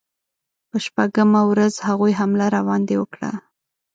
په شپږمه ورځ هغوی حمله راباندې وکړه.